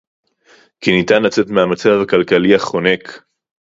כי ניתן לצאת מהמצב הכלכלי החונק